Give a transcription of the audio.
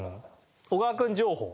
小川君情報。